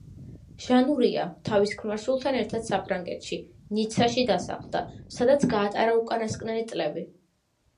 ჟანუარია თავის ქმარ-შვილთან ერთად საფრანგეთში, ნიცაში დასახლდა, სადაც გაატარა უკანასკნელი წლები.